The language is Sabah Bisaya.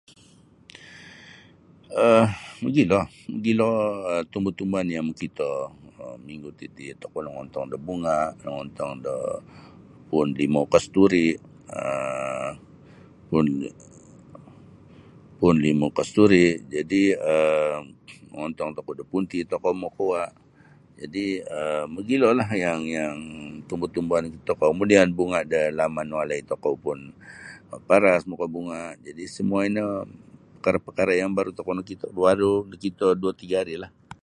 um Mogilo mogilo tumbu-tumbuan yang makito um minggu titi tokou nongontong da bunga nongontong da puun limau kasturi um puun puun limau kasturi jadi um mongongtong kita da punti tokou makauwa jadi [um]mogilolah yang yang tumbu-tumbuan tokou kemudian bunga da laman walai tokou pun maparas maka bunga jadi semua ino pakara-pakara yang baru tokou nakito baru nokito dua tiga harilah.